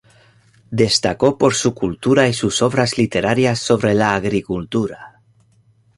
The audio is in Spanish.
Destacó por su cultura y sus obras literarias sobre la agricultura.